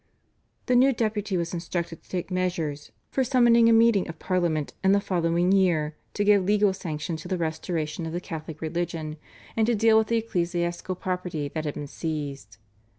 " The new Deputy was instructed to take measures for summoning a meeting of Parliament in the following year to give legal sanction to the restoration of the Catholic religion, and to deal with the ecclesiastical property that had been seized.